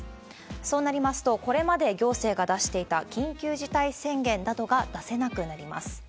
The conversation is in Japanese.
そうなりますと、これまで行政が出していた緊急事態宣言などが出せなくなります。